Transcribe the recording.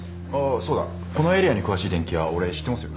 そうだこのエリアに詳しい電気屋俺知ってますよ。